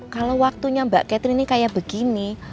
kalau waktunya mbak catherine ini kayak begini